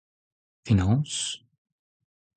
Penaos ?